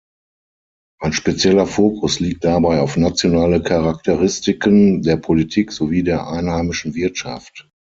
Ein spezieller Fokus liegt dabei auf nationale Charakteristiken der Politik sowie der einheimischen Wirtschaft.